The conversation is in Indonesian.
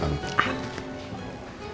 mas mau jatuh